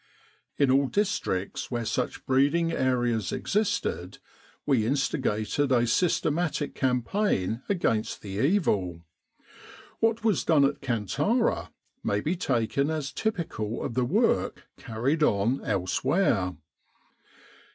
In all districts where such breeding areas existed we instigated a systematic campaign against the evil. What was done at Kantara may be taken as typical of the work carried on elsewhere.